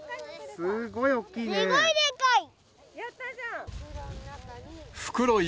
すごいでかい！